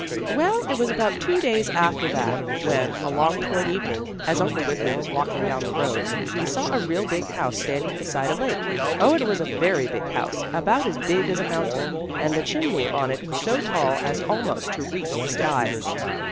Well, it was about two days after that when, along toward evening, as Uncle Wiggily was walking down the road, he saw a real big house standing beside a lake. Oh, it was a very big house, about as big as a mountain, and the chimney on it was so tall as almost to reach the sky.